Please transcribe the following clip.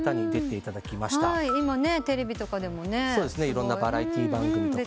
いろんなバラエティー番組とか。